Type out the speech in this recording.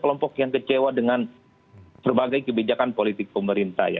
kelompok yang kecewa dengan berbagai kebijakan politik pemerintah ya